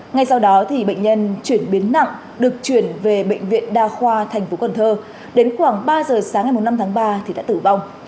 ngay sau đó bệnh nhân chuyển biến nặng được chuyển về bệnh viện đa khoa tp cn đến khoảng ba giờ sáng ngày năm tháng ba thì đã tử vong